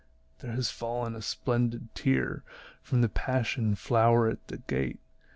There has fallen a splendid tear From the passion flower at the gate.